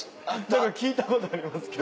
何か聞いたことありますけど。